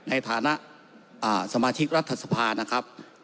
ในฐานะสมาชิกรัฐสภานะครับ